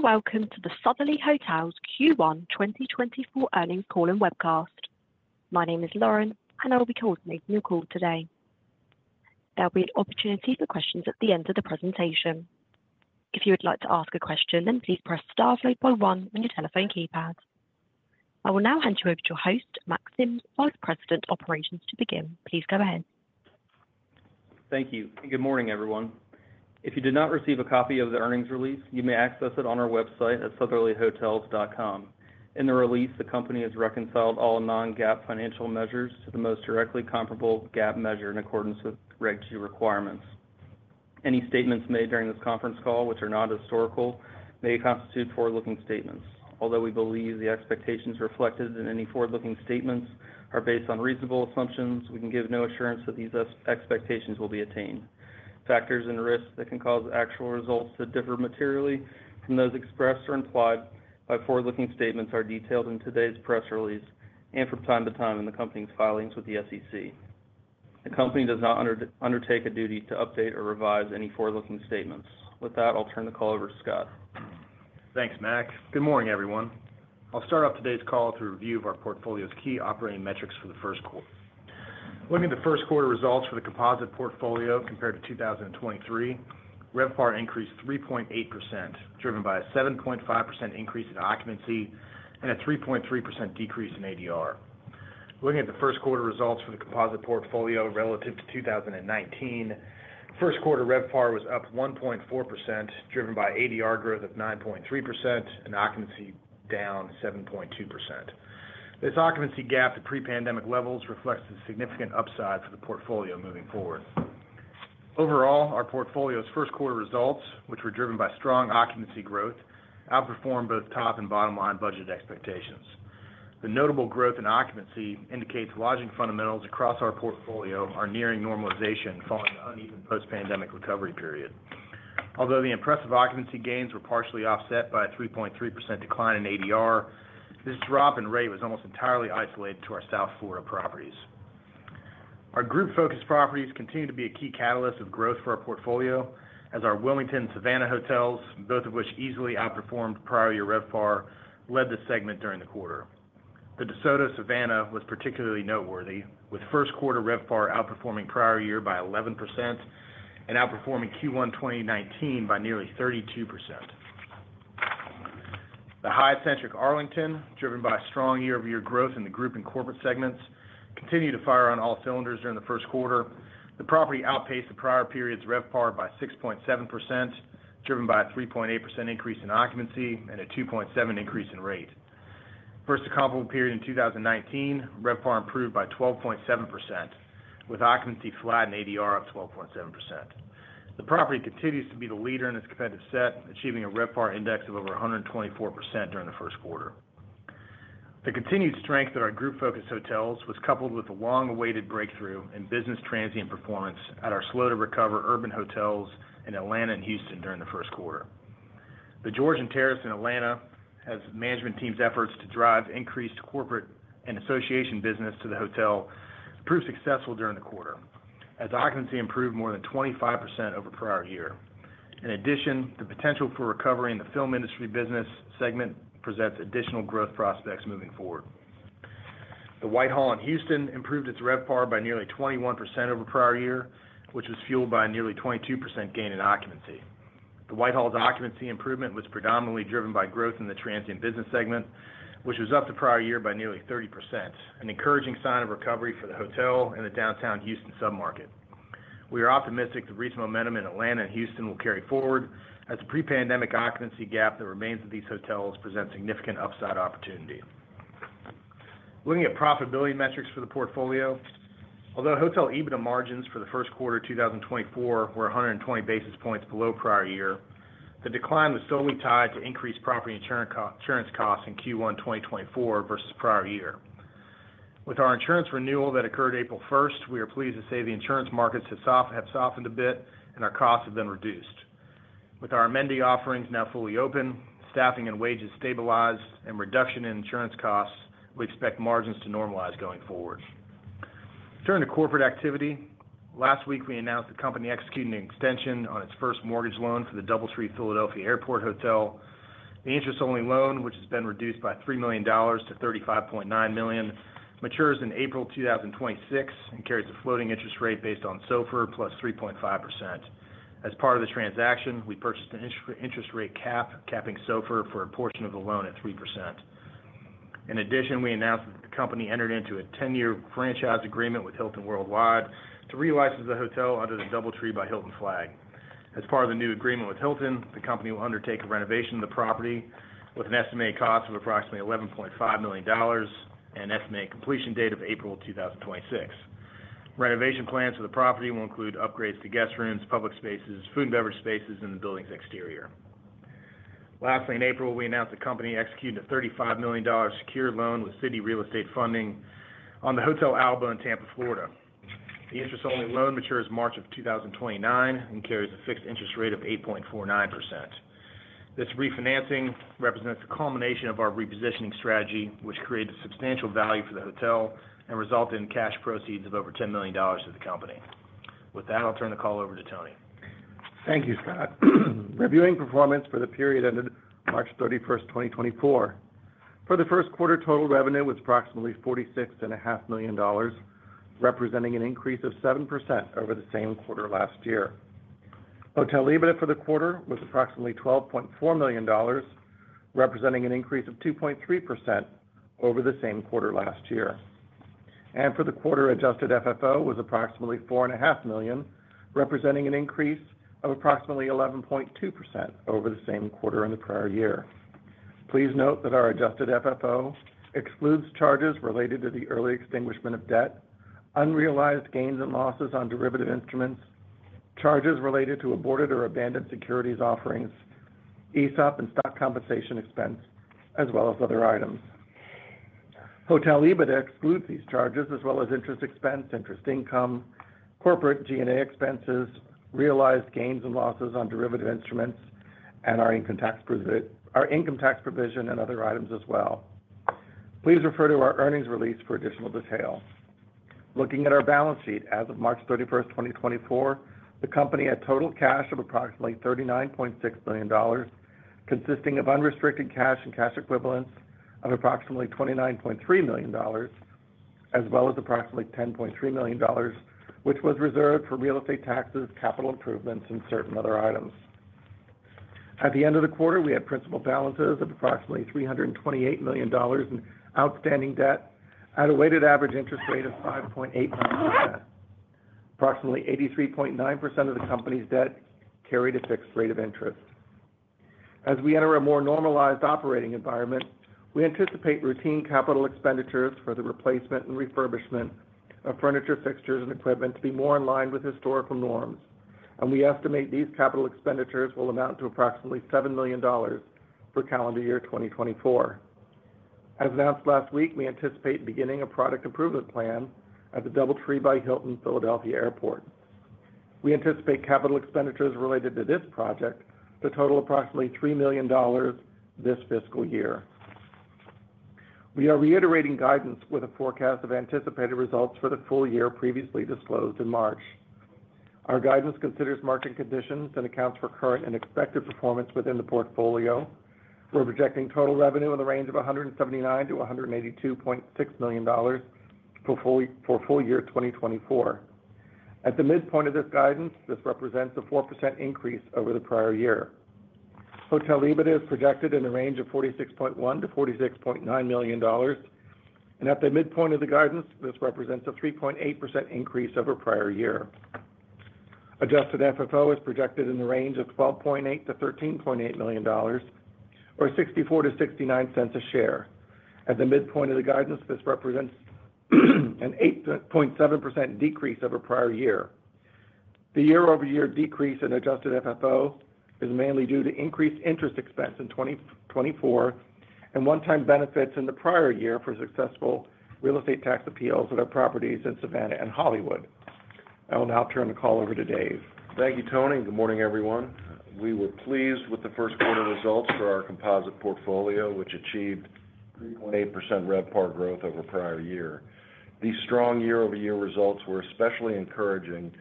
Hello and welcome to the Sotherly Hotels Q1 2024 earnings call and webcast. My name is Lauren, and I will be coordinating your call today. There will be an opportunity for questions at the end of the presentation. If you would like to ask a question, then please press star, followed by one on your telephone keypad. I will now hand you over to your host, Mack Sims, Vice President Operations, to begin. Please go ahead. Thank you. Good morning, everyone. If you did not receive a copy of the earnings release, you may access it on our website at sotherlyhotels.com. In the release, the company has reconciled all non-GAAP financial measures to the most directly comparable GAAP measure in accordance with Reg. G requirements. Any statements made during this conference call, which are not historical, may constitute forward-looking statements. Although we believe the expectations reflected in any forward-looking statements are based on reasonable assumptions, we can give no assurance that these expectations will be attained. Factors and risks that can cause actual results to differ materially from those expressed or implied by forward-looking statements are detailed in today's press release and from time to time in the company's filings with the SEC. The company does not undertake a duty to update or revise any forward-looking statements. With that, I'll turn the call over to Scott. Thanks, Mack. Good morning, everyone. I'll start off today's call through a review of our portfolio's key operating metrics for the first quarter. Looking at the first quarter results for the composite portfolio compared to 2023, RevPAR increased 3.8%, driven by a 7.5% increase in occupancy and a 3.3% decrease in ADR. Looking at the first quarter results for the composite portfolio relative to 2019, first quarter RevPAR was up 1.4%, driven by ADR growth of 9.3% and occupancy down 7.2%. This occupancy gap to pre-pandemic levels reflects the significant upside for the portfolio moving forward. Overall, our portfolio's first quarter results, which were driven by strong occupancy growth, outperformed both top and bottom-line budget expectations. The notable growth in occupancy indicates lodging fundamentals across our portfolio are nearing normalization following the uneven post-pandemic recovery period. Although the impressive occupancy gains were partially offset by a 3.3% decline in ADR, this drop in rate was almost entirely isolated to our South Florida properties. Our group-focused properties continue to be a key catalyst of growth for our portfolio, as our Wilmington and Savannah hotels, both of which easily outperformed prior-year RevPAR, led the segment during the quarter. The DeSoto Savannah was particularly noteworthy, with first-quarter RevPAR outperforming prior year by 11% and outperforming Q1 2019 by nearly 32%. The Hyatt Centric Arlington, driven by strong year-over-year growth in the group and corporate segments, continued to fire on all cylinders during the first quarter. The property outpaced the prior period's RevPAR by 6.7%, driven by a 3.8% increase in occupancy and a 2.7% increase in rate. Versus the comparable period in 2019, RevPAR improved by 12.7%, with occupancy flat and ADR up 12.7%. The property continues to be the leader in its competitive set, achieving a RevPAR Index of over 124% during the first quarter. The continued strength at our group-focused hotels was coupled with the long-awaited breakthrough in business transient performance at our slow-to-recover urban hotels in Atlanta and Houston during the first quarter. The Georgian Terrace in Atlanta's management team's efforts to drive increased corporate and association business to the hotel proved successful during the quarter, as occupancy improved more than 25% over prior year. In addition, the potential for recovery in the film industry business segment presents additional growth prospects moving forward. The Whitehall in Houston improved its RevPAR by nearly 21% over prior year, which was fueled by a nearly 22% gain in occupancy. The Whitehall's occupancy improvement was predominantly driven by growth in the transient business segment, which was up to prior year by nearly 30%, an encouraging sign of recovery for the hotel and the downtown Houston submarket. We are optimistic the recent momentum in Atlanta and Houston will carry forward, as the pre-pandemic occupancy gap that remains at these hotels presents significant upside opportunity. Looking at profitability metrics for the portfolio, although hotel EBITDA margins for the first quarter 2024 were 120 basis points below prior year, the decline was solely tied to increased property insurance costs in Q1 2024 versus prior year. With our insurance renewal that occurred April 1, we are pleased to say the insurance markets have softened a bit and our costs have been reduced. With our amenity offerings now fully open, staffing and wages stabilized, and reduction in insurance costs, we expect margins to normalize going forward. Turning to corporate activity, last week we announced the company executing an extension on its first mortgage loan for the DoubleTree Philadelphia Airport Hotel. The interest-only loan, which has been reduced by $3 million to $35.9 million, matures in April 2026 and carries a floating interest rate based on SOFR plus 3.5%. As part of the transaction, we purchased an interest rate cap, capping SOFR for a portion of the loan at 3%. In addition, we announced that the company entered into a 10-year franchise agreement with Hilton Worldwide to relicense the hotel under the DoubleTree by Hilton flag. As part of the new agreement with Hilton, the company will undertake a renovation of the property with an estimated cost of approximately $11.5 million and an estimated completion date of April 2026. Renovation plans for the property will include upgrades to guest rooms, public spaces, food and beverage spaces, and the building's exterior. Lastly, in April, we announced the company executing a $35 million secured loan with Citi Real Estate Funding on the Hotel Alba in Tampa, Florida. The interest-only loan matures in March 2029 and carries a fixed interest rate of 8.49%. This refinancing represents the culmination of our repositioning strategy, which created substantial value for the hotel and resulted in cash proceeds of over $10 million to the company. With that, I'll turn the call over to Tony. Thank you, Scott. Reviewing performance for the period ended March 31, 2024: For the first quarter, total revenue was approximately $46.5 million, representing an increase of 7% over the same quarter last year. Hotel EBITDA for the quarter was approximately $12.4 million, representing an increase of 2.3% over the same quarter last year. For the quarter, Adjusted FFO was approximately $4.5 million, representing an increase of approximately 11.2% over the same quarter in the prior year. Please note that our Adjusted FFO excludes charges related to the early extinguishment of debt, unrealized gains and losses on derivative instruments, charges related to aborted or abandoned securities offerings, ESOP, and stock compensation expense, as well as other items. Hotel EBITDA excludes these charges as well as interest expense, interest income, corporate G&A expenses, realized gains and losses on derivative instruments, and our income tax provision and other items as well. Please refer to our earnings release for additional detail. Looking at our balance sheet as of March 31, 2024, the company had total cash of approximately $39.6 million, consisting of unrestricted cash and cash equivalents of approximately $29.3 million, as well as approximately $10.3 million, which was reserved for real estate taxes, capital improvements, and certain other items. At the end of the quarter, we had principal balances of approximately $328 million in outstanding debt at a weighted average interest rate of 5.89%. Approximately 83.9% of the company's debt carried a fixed rate of interest. As we enter a more normalized operating environment, we anticipate routine capital expenditures for the replacement and refurbishment of furniture, fixtures, and equipment to be more in line with historical norms, and we estimate these capital expenditures will amount to approximately $7 million for calendar year 2024. As announced last week, we anticipate beginning a product improvement plan at the DoubleTree by Hilton Philadelphia Airport. We anticipate capital expenditures related to this project to total approximately $3 million this fiscal year. We are reiterating guidance with a forecast of anticipated results for the full year previously disclosed in March. Our guidance considers market conditions and accounts for current and expected performance within the portfolio. We're projecting total revenue in the range of $179-$182.6 million for full year 2024. At the midpoint of this guidance, this represents a 4% increase over the prior year. Hotel EBITDA is projected in the range of $46.1-$46.9 million, and at the midpoint of the guidance, this represents a 3.8% increase over prior year. Adjusted FFO is projected in the range of $12.8-$13.8 million, or $0.64-$0.69 a share. At the midpoint of the guidance, this represents an 8.7% decrease over prior year. The year-over-year decrease in Adjusted FFO is mainly due to increased interest expense in 2024 and one-time benefits in the prior year for successful real estate tax appeals at our properties in Savannah and Hollywood. I will now turn the call over to Dave. Thank you, Tony. Good morning, everyone. We were pleased with the first quarter results for our composite portfolio, which achieved 3.8% RevPAR growth over prior year. These strong year-over-year results were especially encouraging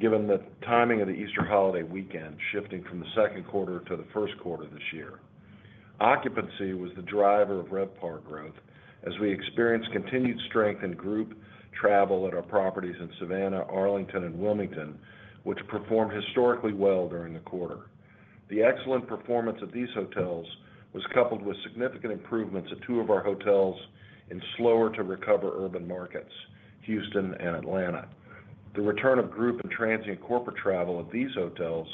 given the timing of the Easter holiday weekend shifting from the second quarter to the first quarter this year. Occupancy was the driver of RevPAR growth as we experienced continued strength in group travel at our properties in Savannah, Arlington, and Wilmington, which performed historically well during the quarter. The excellent performance at these hotels was coupled with significant improvements at two of our hotels in slower-to-recover urban markets, Houston and Atlanta. The return of group and transient corporate travel at these hotels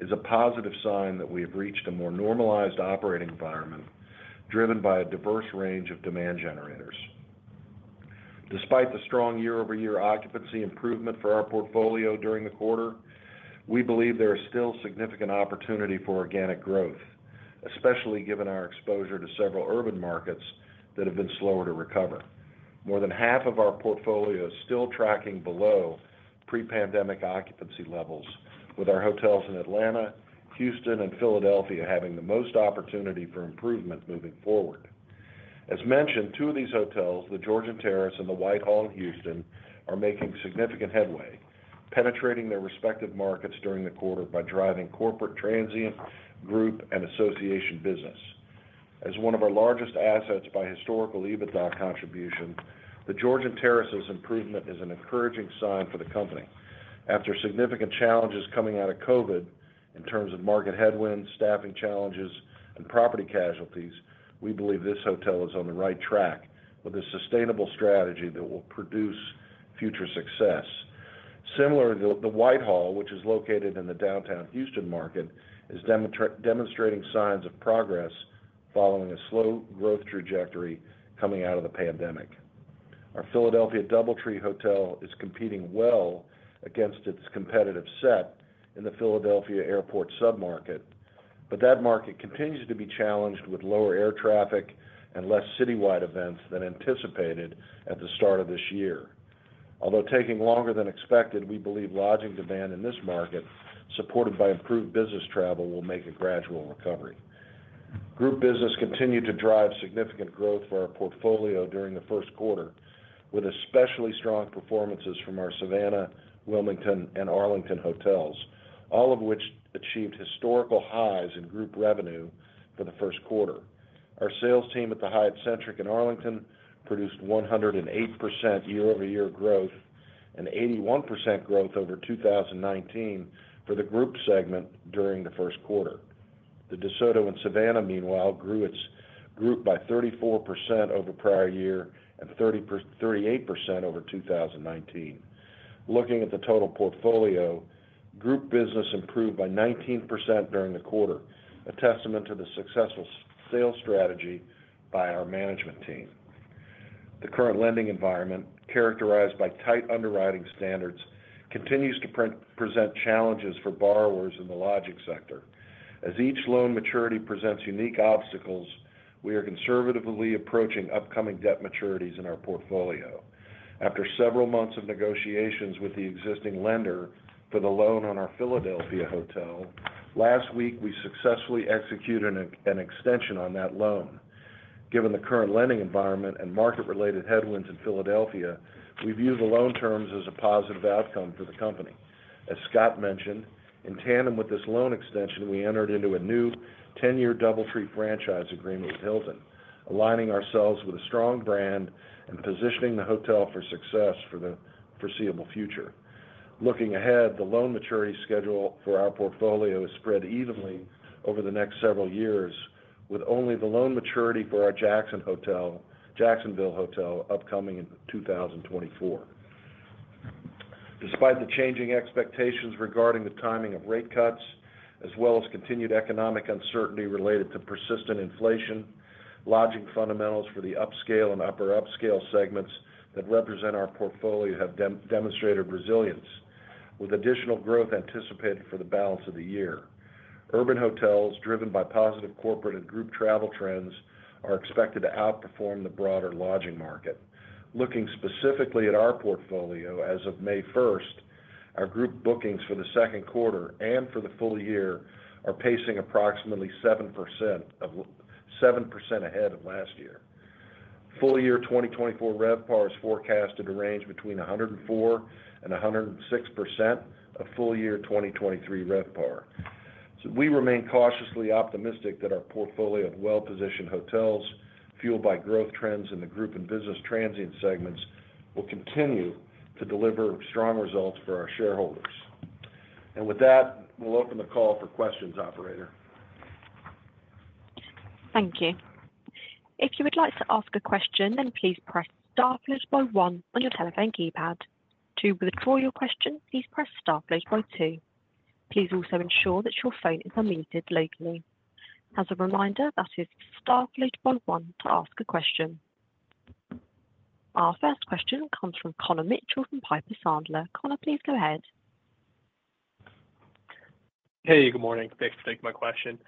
is a positive sign that we have reached a more normalized operating environment driven by a diverse range of demand generators. Despite the strong year-over-year occupancy improvement for our portfolio during the quarter, we believe there is still significant opportunity for organic growth, especially given our exposure to several urban markets that have been slower to recover. More than half of our portfolio is still tracking below pre-pandemic occupancy levels, with our hotels in Atlanta, Houston, and Philadelphia having the most opportunity for improvement moving forward. As mentioned, two of these hotels, The Georgian Terrace and The Whitehall Houston, are making significant headway, penetrating their respective markets during the quarter by driving corporate transient group and association business. As one of our largest assets by historical EBITDA contribution, The Georgian Terrace's improvement is an encouraging sign for the company. After significant challenges coming out of COVID in terms of market headwinds, staffing challenges, and property casualties, we believe this hotel is on the right track with a sustainable strategy that will produce future success. Similarly, The Whitehall, which is located in the downtown Houston market, is demonstrating signs of progress following a slow growth trajectory coming out of the pandemic. Our Philadelphia DoubleTree Hotel is competing well against its competitive set in the Philadelphia Airport submarket, but that market continues to be challenged with lower air traffic and less citywide events than anticipated at the start of this year. Although taking longer than expected, we believe lodging demand in this market, supported by improved business travel, will make a gradual recovery. Group business continued to drive significant growth for our portfolio during the first quarter, with especially strong performances from our Savannah, Wilmington, and Arlington hotels, all of which achieved historical highs in group revenue for the first quarter. Our sales team at the Hyatt Centric in Arlington produced 108% year-over-year growth and 81% growth over 2019 for the group segment during the first quarter. The DeSoto in Savannah, meanwhile, grew its group by 34% over prior year and 38% over 2019. Looking at the total portfolio, group business improved by 19% during the quarter, a testament to the successful sales strategy by our management team. The current lending environment, characterized by tight underwriting standards, continues to present challenges for borrowers in the lodging sector. As each loan maturity presents unique obstacles, we are conservatively approaching upcoming debt maturities in our portfolio. After several months of negotiations with the existing lender for the loan on our Philadelphia Hotel, last week we successfully executed an extension on that loan. Given the current lending environment and market-related headwinds in Philadelphia, we view the loan terms as a positive outcome for the company. As Scott mentioned, in tandem with this loan extension, we entered into a new 10-year DoubleTree franchise agreement with Hilton, aligning ourselves with a strong brand and positioning the hotel for success for the foreseeable future. Looking ahead, the loan maturity schedule for our portfolio is spread evenly over the next several years, with only the loan maturity for our Jacksonville Hotel upcoming in 2024. Despite the changing expectations regarding the timing of rate cuts, as well as continued economic uncertainty related to persistent inflation, lodging fundamentals for the upscale and upper upscale segments that represent our portfolio have demonstrated resilience, with additional growth anticipated for the balance of the year. Urban hotels, driven by positive corporate and group travel trends, are expected to outperform the broader lodging market. Looking specifically at our portfolio as of May 1st, our group bookings for the second quarter and for the full year are pacing approximately 7% ahead of last year. Full year 2024 RevPAR is forecast to range between 104%-106% of full year 2023 RevPAR. We remain cautiously optimistic that our portfolio of well-positioned hotels, fueled by growth trends in the group and business transient segments, will continue to deliver strong results for our shareholders. With that, we'll open the call for questions, operator. Thank you. If you would like to ask a question, then please press star one on your telephone keypad. To withdraw your question, please press star two. Please also ensure that your phone is unmuted locally. As a reminder, that is star one to ask a question. Our first question comes from Connor Mitchell from Piper Sandler. Connor, please go ahead. Hey, good morning. Thanks for taking my question.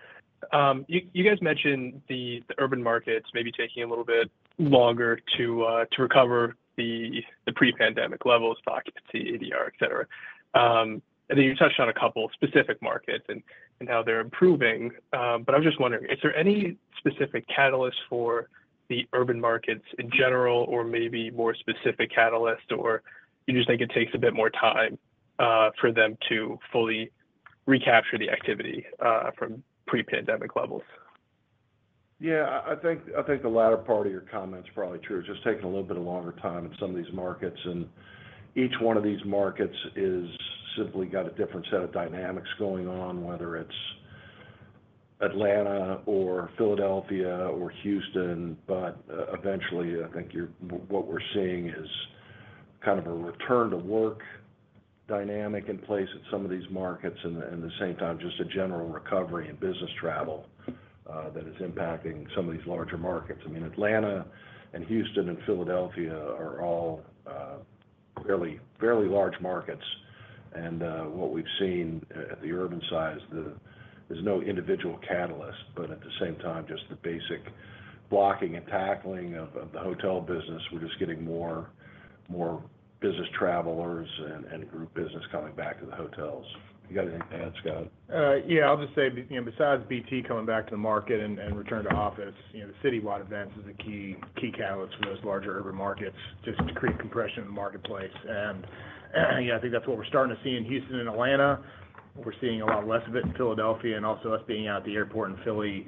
You guys mentioned the urban markets maybe taking a little bit longer to recover the pre-pandemic levels of occupancy, ADR, etc. I think you touched on a couple of specific markets and how they're improving, but I was just wondering, is there any specific catalyst for the urban markets in general or maybe more specific catalyst, or you just think it takes a bit more time for them to fully recapture the activity from pre-pandemic levels? Yeah, I think the latter part of your comment's probably true. It's just taking a little bit of longer time in some of these markets, and each one of these markets has simply got a different set of dynamics going on, whether it's Atlanta or Philadelphia or Houston. But eventually, I think what we're seeing is kind of a return-to-work dynamic in place in some of these markets and at the same time just a general recovery in business travel that is impacting some of these larger markets. I mean, Atlanta and Houston and Philadelphia are all fairly large markets, and what we've seen at the urban side is no individual catalyst, but at the same time, just the basic blocking and tackling of the hotel business. We're just getting more business travelers and group business coming back to the hotels. You got anything to add, Scott? Yeah, I'll just say besides BT coming back to the market and return to office, the citywide events are the key catalysts for those larger urban markets just to create compression in the marketplace. And yeah, I think that's what we're starting to see in Houston and Atlanta. We're seeing a lot less of it in Philadelphia and also us being out at the airport in Philly.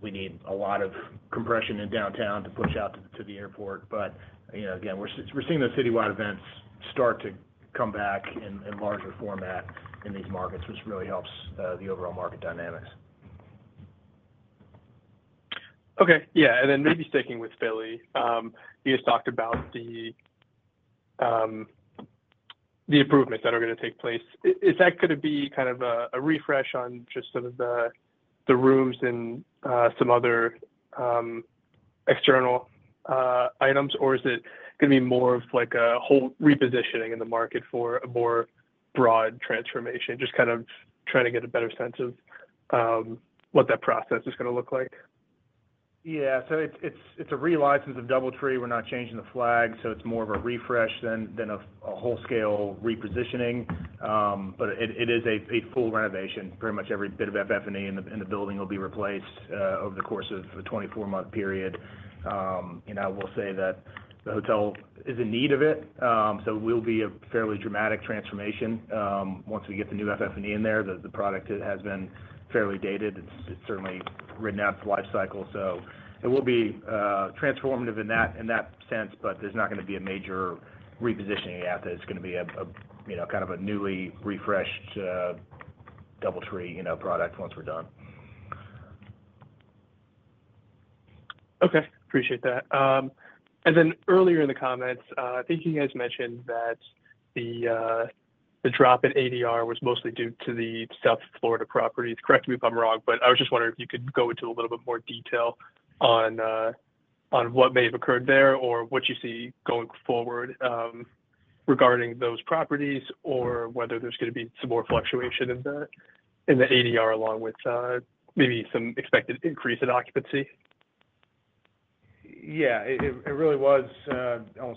We need a lot of compression in downtown to push out to the airport. But again, we're seeing those citywide events start to come back in larger format in these markets, which really helps the overall market dynamics. Okay. Yeah. And then maybe sticking with Philly, you just talked about the improvements that are going to take place. Is that going to be kind of a refresh on just some of the rooms and some other external items, or is it going to be more of a whole repositioning in the market for a more broad transformation, just kind of trying to get a better sense of what that process is going to look like? Yeah. So it's a relicense of DoubleTree. We're not changing the flag, so it's more of a refresh than a whole-scale repositioning. But it is a full renovation. Pretty much every bit of FF&E in the building will be replaced over the course of a 24-month period. I will say that the hotel is in need of it, so it will be a fairly dramatic transformation once we get the new FF&E in there. The product has been fairly dated. It's certainly written out its life cycle, so it will be transformative in that sense, but there's not going to be a major repositioning yet. It's going to be kind of a newly refreshed DoubleTree product once we're done. Okay. Appreciate that. And then earlier in the comments, I think you guys mentioned that the drop in ADR was mostly due to the South Florida properties. Correct me if I'm wrong, but I was just wondering if you could go into a little bit more detail on what may have occurred there or what you see going forward regarding those properties or whether there's going to be some more fluctuation in the ADR along with maybe some expected increase in occupancy? Yeah, it really was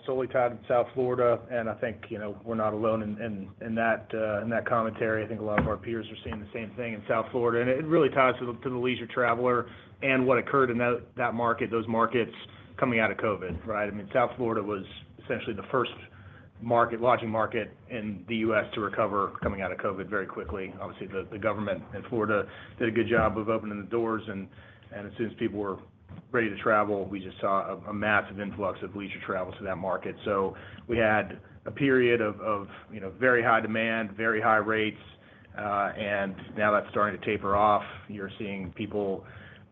solely tied to South Florida, and I think we're not alone in that commentary. I think a lot of our peers are seeing the same thing in South Florida. It really ties to the leisure traveler and what occurred in those markets coming out of COVID, right? I mean, South Florida was essentially the first lodging market in the U.S. to recover coming out of COVID very quickly. Obviously, the government in Florida did a good job of opening the doors, and as soon as people were ready to travel, we just saw a massive influx of leisure travel to that market. We had a period of very high demand, very high rates, and now that's starting to taper off. You're seeing people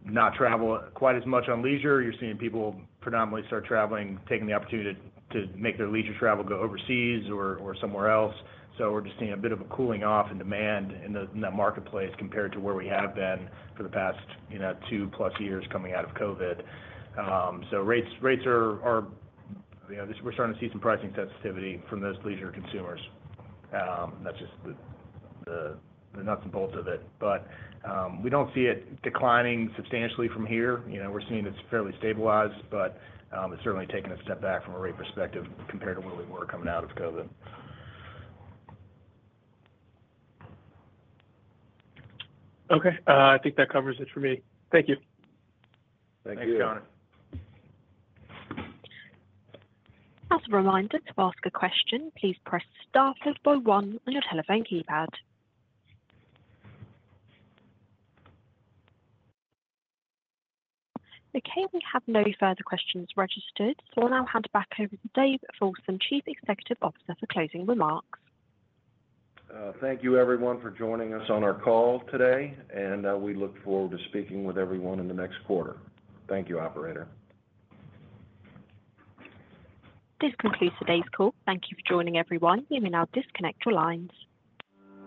not travel quite as much on leisure. You're seeing people predominantly start traveling, taking the opportunity to make their leisure travel go overseas or somewhere else. So we're just seeing a bit of a cooling off in demand in that marketplace compared to where we have been for the past two-plus years coming out of COVID. So rates are, we're starting to see some pricing sensitivity from those leisure consumers. That's just the nuts and bolts of it. But we don't see it declining substantially from here. We're seeing it's fairly stabilized, but it's certainly taken a step back from a rate perspective compared to where we were coming out of COVID. Okay. I think that covers it for me. Thank you. Thank you. Thanks, Connor. As a reminder, to ask a question, please press star one on your telephone keypad. Okay. We have no further questions registered, so I'll now hand back over to David Folsom, Chief Executive Officer, for closing remarks. Thank you, everyone, for joining us on our call today, and we look forward to speaking with everyone in the next quarter. Thank you, operator. This concludes today's call. Thank you for joining, everyone. You may now disconnect your lines.